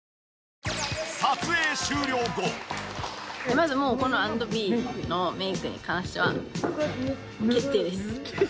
まずこの＆ｂｅのメイクに関しては決定です。